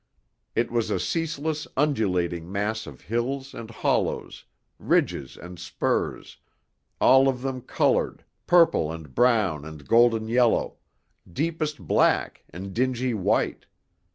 It was a ceaseless, undulating mass of hills and hollows, ridges and spurs, all of them colored, purple and brown and golden yellow, deepest black and dingy white.